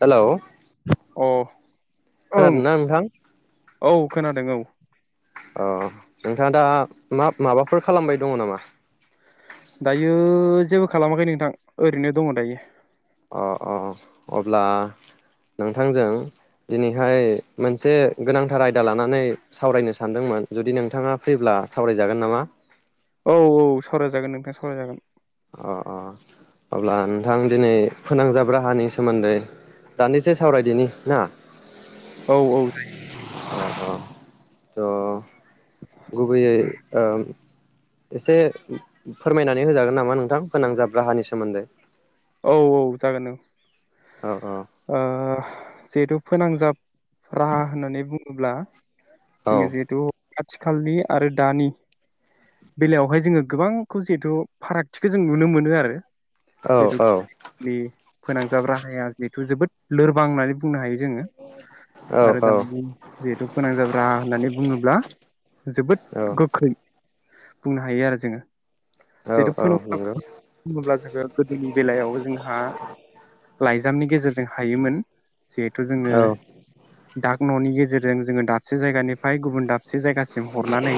हेल' अ ओं नोंथां औ खोनादों औ अ नोंथाङा दा मा माबाफोर खालामबाय दङ नामा दायो जेबो खालामाखै नोंथां ओरैनो दङ दायो अ अ अब्ला नोंथांजों दिनैहाय मोनसे गोनांथार आयदा लानानै सावरायनो सानदोंमोन जुदि नोंथाङा फ्रिब्ला सावरायजागोन नामा औ औ सावरायजागोन नोंथां सावरायजागोन अ अ अब्ला नोंथां दिनै फोनांजाब राहानि सोमोन्दै दानदिसे सावरायदिनि ना औ औ जायो द गुबैयै ओ एसे फोरमायनानै होजागोन नामा नोंथां फोनांजाब राहानि सोमोन्दै औ औ जागोन औ औ आ जेहेथु फोनांजाब राहा होननानै बुङोब्ला औ जोङो जिहेथु आथिखालनि आरो दानि बेलायावहाय जोङो गोबांखौ जिहेथु फारागथिखौ जों नुनो मोनो आरो औ जिहेथु औ नि फोनांजाब राहाया जोबोद लोरबां होननानै बुंनो हायो जोङो औ आरो औ औ दानि जिहेथु फोनांजाब राहा होननानै बुङोब्ला जोबोद औ गोख्रै बुंनो हायो आरो जोङो औ जिथु औ फोनांजाब नंगौ बुङोब्ला जोङो गोदोनि [unintelligible] जोंहा लाइजामनि गेजेरजों हायोमोन जिहेथु जोंङो औ डाक ननि गेजेरजों जोङो दाबसे जायगानिफ्राय गुबुन दाब से जायगासिम हरनानै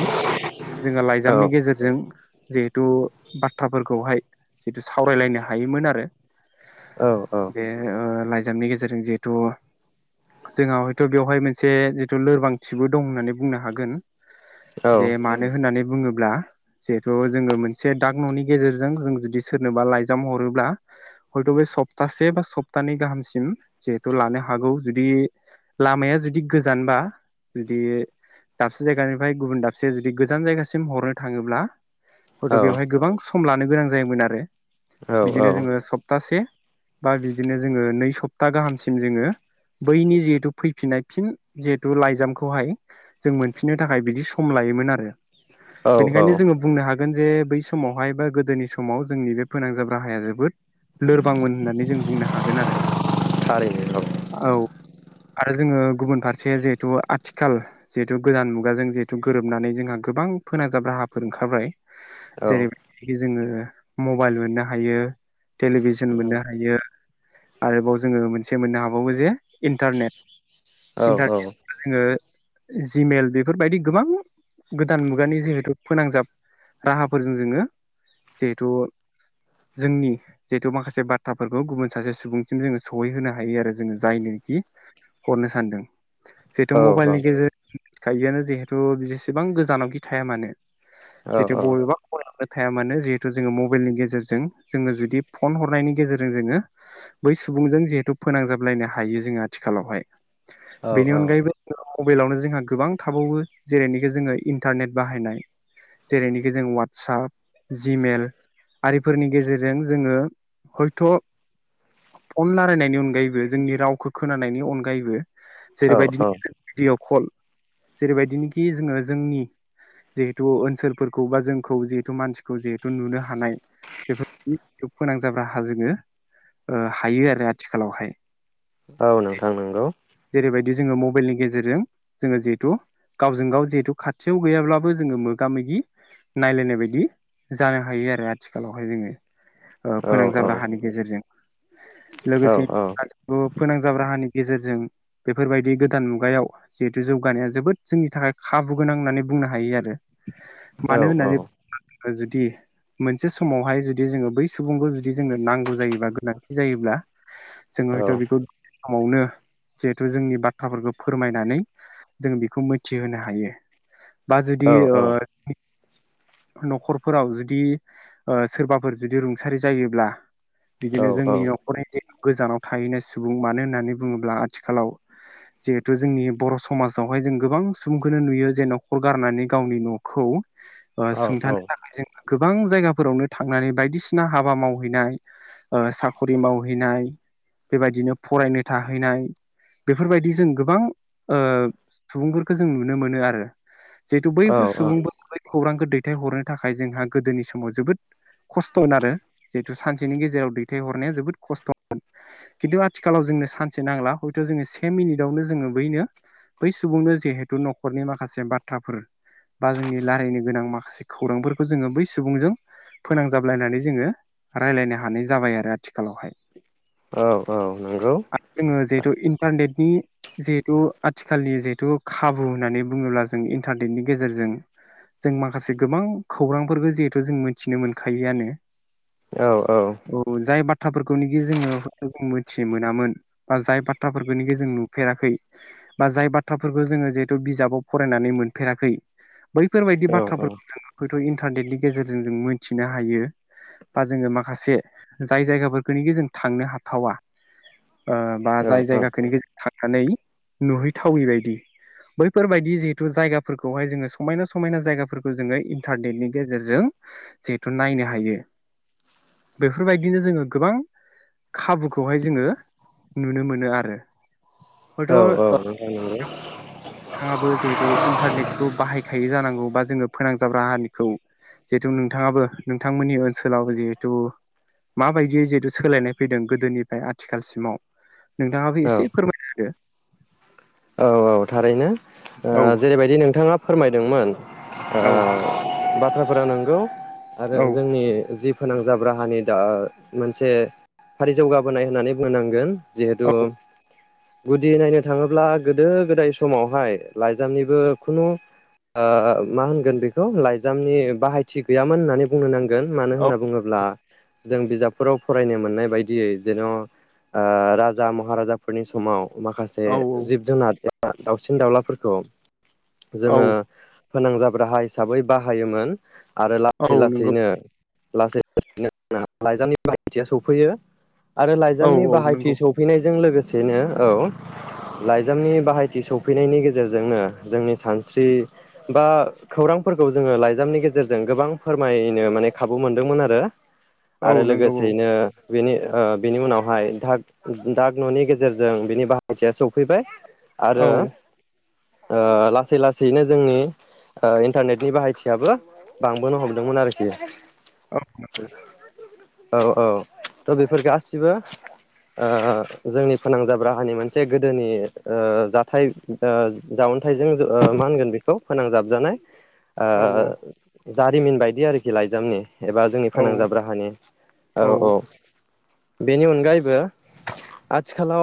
जोङो औ लाइजामनि गेजेरजों जिहेथु बाथ्राफोरखौहाय जिहेथु सावरायलायनो हायोमोन आरो औ बे ओ लाइजामनि गेजेरजों जिहेथु जोंहा हयथ बेवहाय मोनसे जितु लोरबांथिबो दं होननानै बुंनो हागोन औ जे मानो होननानै बुङो ब्ला जिहेतु जोङो मोनसे डाक ननि गेजेरजों जों जुदि सोरनोबा लाइ जाम हरोब्ला हयथ बे सप्तासे बा सप्तानै गाहामसिम जिहेथु लानो हागौ जुदि लामाया जुदि गोजानबा जुदि दाबसे जायगानिफ्राय गुबुन दाबसे जुदि गोजान जायगासिम हरनो थाङोब्ला हयथ बेवहाय औ गोबां स म लानो गोनां जायोमोन आरो बिदिनो औ जोङो सप्तासे बा बिदिनो जोङो नै सप्ता गाहामसिम जोङो बैनि जिहेथु फैफिननाय फिन जिहेथु लाइजामखौहाय जों मोनफिननो थाखाय बिदि सम लायोमोन आरो औ औ बेनिखायनो जोङो बुंनो हा -गोन जे बै समावहाय बा गोदोनि समाव जोंनि बे फोनांजाब राहाया जोबोद लोरबांमोन होननानै जों बुंनो हागोन आरो थारैनो औ आरो जोङो गुबुन फारसे जिहेथु आथिखाल जिहेथु गोदान मुगाजों जिहेथु गोरोबनानै जोंहा गोबां फोनांजाब राहाफोर ओंखारबाय औ जेरैबायदि जोङो म- -बाइल मोननो हायो टेलिभिसन मोननो औ हायो आरोबाव जोङो मोनसे मोननो हाबावो जे इन्टारनेट औ औ इन्टारनेट जों जोङो जिमेल बेफोरबायदि गोबां गोदान मुगानि जिहेथु फोनांजाब राहाफोरजों जोङो जिहेथु जोंनि जिहेथु माखासे बाथ्राफोरखौ गुबुन सासे सुबुंसिम जोङो सहैहोनो हायो आरो जोङो जायनोखि हरनो सानदों जिहेथु औ मबाइलनि गेजेर [inaudible] थाइजाआनो जिहेथु बिसेबां गोजानावखि थाया मानो जेथु बबेबा खनायाव थाया मानो जिहेथु जोङो मबाइलनि गेजेरजों गेजेरजों जोङो जुदि फन हरनायनि गेजेरजों जोङो बै सुबुंजों जिहेथु फोनांजाबलायनो हायो जोङो आथिखालावहाय औ बेनि अनगायैबो मबाइलावनो जोंहा गोबां थाबावो जेरैनिखि जोङो इन्टारनेट बाहायनाय जेरैनिखि जों वाट्सप जिमेल आरिफोरनि गेजेरजों जोङो हयथ' पन रायलायनायनि अनगायैबो जोंनि रावखौ खोनानायनि अनगायैबो औ जेरैबायदिनो [unintelligible] कल जेरैबायदिनोखि जोङो जोंनि जिहेथु ओनसोलफोरखौ बा जोंखौ जिहेथु मानसिखौ जिहेथु नुनो हानाय बेफोर फोनांजाब राहा जोङो हायो आरो आथिखालावहाय औ नोंथां नंगौ बि जोङो मबाइलनि गेजेरजों जोङो जिहेथु गावजों गाव जिहेतु खाथियाव गैयाब्लाबो जोङो मोगा मोगि नायलायनाय बायदि जानो हायो आरो ना आथिखालावहाय जोङो ओ औ फोनांजाब औ राहानि गेजेरजों लोगोसे आथिखालाव फोनांजाब राहानि गेजेरजों बेफोरबायदि गोदान मुगायाव जिहेथु जौगानाया जोबोद जोंनि थाखाय खाबु गोनां होननानै बुंनो हायो आरो मानो होननानै [inaudible] जुदि मोनसे समावहाय जुदि जोङो बै सुबुंखौ जुदि जोंनो नांगौ जायोबा गोनांथि जायोब्ला जोंङो हयथ बिखौ खमसमावनो जिहेथु जोंनि बाथ्राफोरखौ फोरमायनानै जों बेखौ मिथिहोनो हायो बा जुदि ओ न'खरफोराव जुदि ओ सोरबाफोर जुदि रुंसारि जायोब्ला बिदिनो जोंनि न'खरनि जे गोजानाव थाहैनाय सुबुं मानो होननानै बुङोब्ला आथिखालाव जिहेथु जोंनि बर' समाजावहाय जों गोबां सुबुंखौनो नुयो जे न'खर गारनानै गावनि न'खौ ओ सुंथानो थाखाय जोंङो गोबां जायगाफोरावनो थांनानै बायदिसिना हाबा मावहैनाय साखरि मावहैनाय बेबायदिनो फरायनो थाहैनाय बेफोरबायदि जों गोबां सुबुंफोरखौ जों नुनो मोनो आरो जिहेतु औ बैफोर सुबुंफोरा खौरांखौ दैथायहरनो थाखाय जोंहा गोदोनि समाव जोबोद खस्थ'मोन आरो जिहेथु सानसेनि गेजेराव दैथायहरनाया जोबोद खस्थ'मोन खिन्थु आथिखालाव जोंनो सानसे नांला हयथ' जोङो से मिनिटावनो जोङो बैनो बै सुबुंनो जिहेथु न'खरनि माखासे बाथ्राफोर बा जोंनि रायलायनो गोनां माखासे खौरांफोरखौ जोङो बै सुबुंजों फोनांजाबलायनानै जोङो राय्लायनो हानाय जाबाय आरो आथिखालावहाय औ औ नंगौ थ इन्टारनेटनि जिहेतु आथिखालनि जिहेतु खाबु होननानै बुङोब्ला जों इन्टारनेटनि गेजेरजों जों माखासे गोबां खौरांफोरखौ जिहेथु जों मिथिनो मोनखायोआनो औ औ थ्राफोरखौनिखि जोङो [inaudible] मिथिनो मोनामोन बा जाय बाथ्राफोरखौनिखि जों नुफेराखै बा जाय बाथ्राफोरखौ जोङो जिहेथु बिजाबाव फरायनानै मोनफेराखै बै फोरबायदि औ औ बाथ्राफोरखौ जों नुगोन थ इन्टारनेटनि गेजेरजों जों मोनथिनो हायो बा जोङो माखासे जाय जायगाफोरखौनिखि जों थांनो हाथावा ओ बा जाय जायगाखौनिखि थाथनानै नुहैथावै बायदि बैफोरबायायदि जिहेथु जायगाफोरखौहाय जोङो समायना स समायना जायगाफोरखौ जोङो इन्टारनेटनि गेजेरजों जिहेथु नायनो हायो बेफोरबायदिनो जोङो गोबां खाबुखौहाय जोङो नुनो मोनो आरो हयथ' औ ओ नोंथां नंगौ नोंथाङाबो जिहेथु इन्टारनेटखौ बाहायखायो नांगौ बा जोङो फोनांजाब राहानिखौ जिहेथु नोंथाङाबो नोंथांमोननि ओनसोलाव जिहेथु माबायदि जिहेथु सोलायनाय फैदों गोदोनिफ्राय आथिखालसिमाव नोंथाङाबो औ एसे फोरमायना होदो औ औ थारैनो ओ होदो जेरैबायदि नोंथाङा फोरमायदोंमोन ओ बाथ्राफोरा नंगौ आरो औ जोंनि जि फोनांजाब राहानि दा मोनसे फारि जौगाबोनाय होननानै बुंनोनांगोन जिहेतु गुदि नायनो थाङोब्ला गोदो गोदाय समावहाय लाइजामनिबो खुनु ओ मा होनगोन बेखौ लाइजामनि बाहायथि गैयामोन होननानै बुंनो नांगोन मानो औ होनना बुङोब्ला जों बिजाबफोराव फरायनो मोननाय बायदियै जेन' ओ राजा महाराजाफोरनि समाव माखासे औ औ जि जुनार एबा दावसिन दाउलाफोरखौ जोङो औ फोनांजाब राहा हिसाबै बाहायोमोन आरो औ लासै नंगौ लासैनो लासै लासै [inaudible] लाइजामनि बाहायथिया सौफैयो आरो औ लाइजामनि औ बाहायथि नंगौ सौफैनायजों लोगो सेयैनो औ लाइजामनि बाहायथि सौफैनायनि गेजेरजोंनो जोंनि सानस्रि बा खौरांफोरखौ जोङो लाइजामनि गेजेरजों गोबां फोरमायनो माने खाबु मोनदोंमोन आरो। औ आरो नंगौ लोगोसेयैनो बिनि ओ बिनि उनावहाय धाग धाग न'नि गेजेरजों बिनि बाहायथिया सौफैबाय। आरो औ ओ लासै लासैनो जोंनि ओ इन्टारनेटनि बाहायथियाबो बांबोनो हमदोंमोन आरोखि। औ नोंगौ। औ औ त' बेफोर गासिबो ओ जोंनि फोनांजाब राहानि मोनसे गोदोनि ओ जाथाय ओ जावन्थाइजों ओ मा होनगोन बेखौ फोनांजाब जानाय औ ओ जारिमिन बायदि आरोखि लाइजामनि एबा जोंनि औ फोनांजाब राहानि औ औ। बेनि अनगायैबो आथिखालाव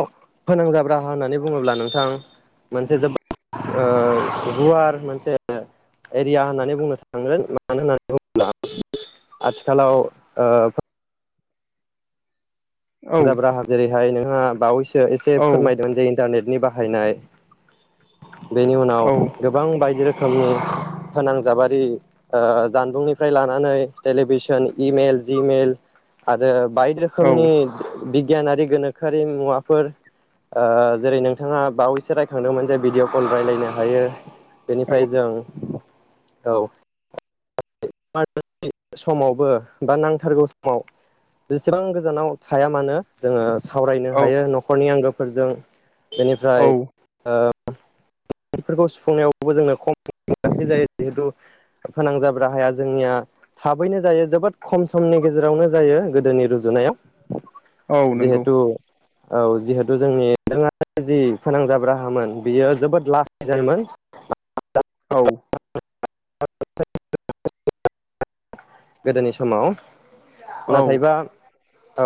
फोनांजाब होननानै बुङोब्ला नोंथां मोनसे जोबोद ओ गुवार मोनसे एरिया होननानै बुंनो थां [unintelligible] मानो होननानै बुङोब्ला आथि खालाव ओ औ जाब राहा जेरै फ्राय नोंहा बावैसो एसे औ फोरमायदों जे इन्टारनेट नि बाहायनाय बेनि उनाव गोबां बायदि रोखोम खोमनि फोनांजाबारि ओ जानबुंनिफ्राय लानानै टेलिभिसन इमेल जिमेल आरो बायदि औ रोखोमनि बिगियानारि गोनोखोआरि मुवाफोर ओ जेरै नोंथाङा बावैसो रायखांदोंमोन जे भिडिअ' कल राय्लायनो हायो। बेनिफ्राय जों औ [unintelligible] समावबो बा नांथारगौ समाव जेसेबां गोजानाव थाया मानो जोङो सावरायनो औ हायो न'खरनि आंगो फोरजों बेनिफ्राय औ ओ बेफोरखौ सुफुंनायावबो जोंनो खम [unintelligible] जायो जिहेतु फोनांजाब राहाया जोंनिया थाबैनो जायो जोबोद खम समनि गेजेरावनो जायो गोदोनि रुजुनायाव। औ नंगौ जिहेतु औ जिहेथु जोंनि [unintelligible] जि फोनांजाब राहामोन बियो जोबोद ला [unintelligible] औ गोदोनि समाव नाथायबा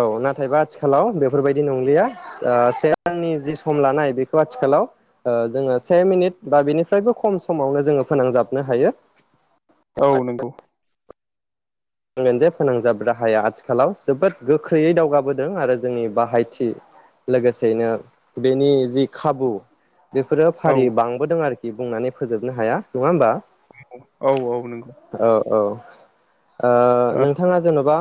औ नाथायबा आथिखालाव बेफोरबायदि नंलिया ओ से रांनि जि सम लानाय बेखौ आथिखालाव ओ जोङो से मिनिट बा बेनिफ्रायबो खम समावनो जोङो फोनांजाबनो हायो। औ नंगौ बुंगोन जे फोनांजाब राहाया आथिखालाव जोबोद गोख्रैयै दावगाबोदों आरो जोंनि बाहायथि लोगोसेयैनो बेनि जि खाबु बेफोरो औ फारि बांबोदों आरो खि बुंनानै फोजोबनो हाया नङा होमबा औ औ नंगौ औ औ ओ औ नोंथाङा जेन'बा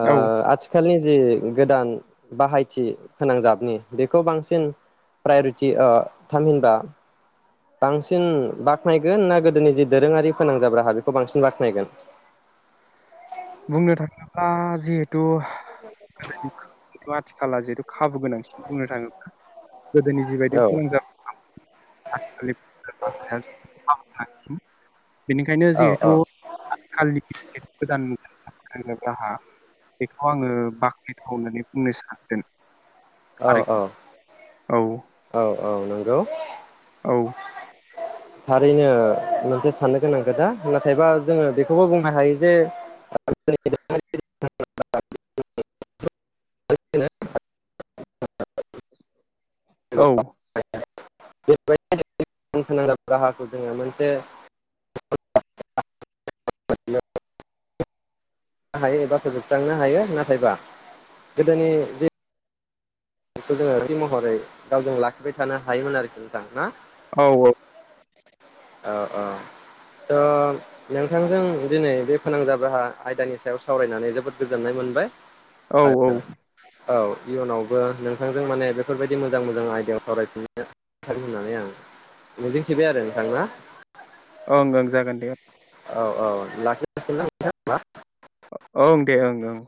ओ आथिखालनि जि गोदान बाहायथि फोनांजाबनि बेखौ बांसिन प्रायरिटि ओ थामहिनबा बांसिन बाख्नायगोन ना गोदोनि जि दोरोङारि फोनांजाब्रा हा बेखौ बांसिन बाख्नायगोन? बुंनो थाङोब्ला जिहेथु गोदोनि आथिखाला जिहेथु खाबु गोनांसिन बुंनो थाङोब्ला। गोदोनि जिबायदि औ फोनांजाब आथिखालि [unintelligible] बेनिखायनो औ औ जिहेथु आथिखालनि [unintelligible] गोदान मु फोनांजाब राहा बेखौ आङो बाखनायथाव होननानै बुंनो सानदों। औ औ औ औ नों गौ औ थारैनो मोनसे साननो गोनां खोथा नाथायबा जोङो बेखौबो बुंनो हायो जे [unintelligible] [unintelligible] औ। जैबायदि फोनांजाब राहाखौ जोङो मोनसे [unintelligible] हायो एबा फोजोबस्रांनो हायो नाथायबा गोदोनि जि बेखौ जोङो थि महरै गावजों लाखिबाय थानो हायोमोन आरोखि नोंथां ना? औ औ। औ औ थ' नोंथांजों दिनै बे फोनांजाब राहा आयदानि सायाव सावरायनानै जोबोद गोजोननाय मोनबाय। औ आरो औ। औ इयुनावबो नों [unintelligible] नोंथांजों माने बेफोरबायदि मोजां मोजां आयदायाव सरायफिननो था [unintelligible] होननानै आं मिजिंथिबाय आरो नोंथां ना? ओं ओं जागोन दे। औ औ लाखिनोसैना नोंथां होनबा? ओं दे ओं ओं।